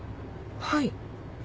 はい。